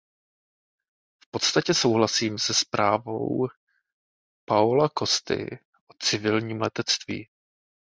V podstatě souhlasím se zprávou Paola Costy o civilním letectví.